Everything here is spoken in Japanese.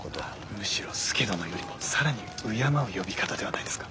むしろ佐殿よりも更に敬う呼び方ではないですか。